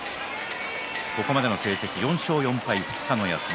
ここまでの成績４勝４敗２日の休み。